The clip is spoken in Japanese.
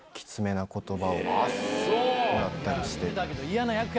もらったりして。